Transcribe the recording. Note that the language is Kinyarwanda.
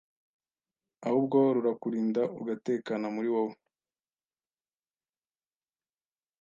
ahubwo rurakurinda ugatekana muri wowe